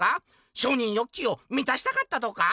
承認欲求をみたしたかったとか？」